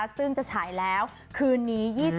ซึ่งจะฉายแล้วคืนนี้